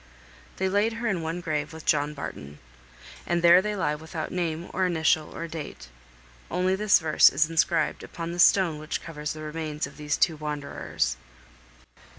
They laid her in one grave with John Barton. And there they lie without name, or initial, or date. Only this verse is inscribed upon the stone which covers the remains of these two wanderers.